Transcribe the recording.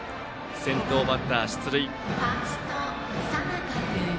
先頭バッター出塁。